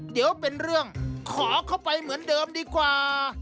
เดี๋ยวเป็นเรื่องขอเข้าไปเหมือนเดิมดีกว่า